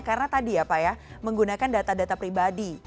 karena tadi ya pak ya menggunakan data data pribadi